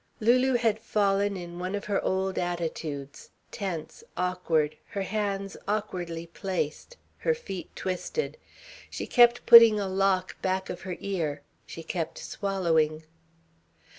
Lulu had fallen in one of her old attitudes, tense, awkward, her hands awkwardly placed, her feet twisted. She kept putting a lock back of her ear, she kept swallowing.